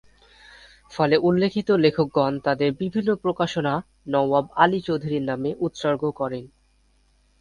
ফলে উল্লেখিত লেখকগণ তাদের বিভিন্ন প্রকাশনা নওয়াব আলী চৌধুরীর নামে উৎসর্গ করেন।